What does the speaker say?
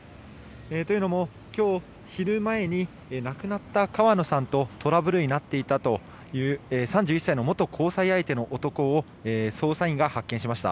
というのも今日、昼前に亡くなった川野さんとトラブルになっていたという３１歳の元交際相手の男を捜査員が発見しました。